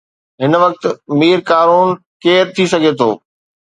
هن وقت مير ڪارون ڪير ٿي سگهي ٿو؟